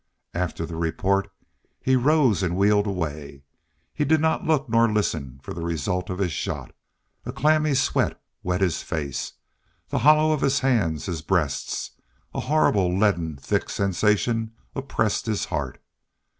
After the report he rose and wheeled away. He did not look nor listen for the result of his shot. A clammy sweat wet his face, the hollow of his hands, his breast. A horrible, leaden, thick sensation oppressed his heart.